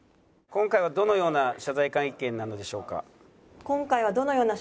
今回はどのような謝罪会見なのでしょうか？